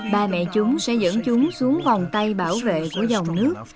ba mẹ chúng sẽ dẫn chúng xuống vòng tay bảo vệ của dòng nước